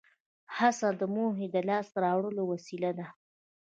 هڅه د موخې د لاس ته راوړلو وسیله ده.